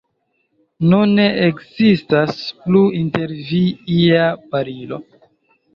Nun ne ekzistas plu inter vi ia barilo.